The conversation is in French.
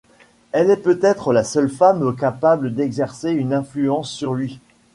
Elle est peut-être la seule femme capable d'exercer une influence sur lui.